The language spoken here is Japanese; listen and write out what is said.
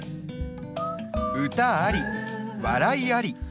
歌あり笑いあり。